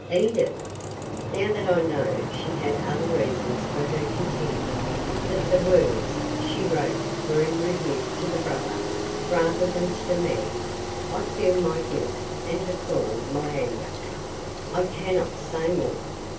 "Edith?" "Now that I know she had other reasons for her contempt that the words she wrote were in rebuke to the brother rather than to the man, I feel my guilt and deplore my anger. I cannot say more.